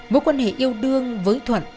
mối quan hệ yêu đương với thuận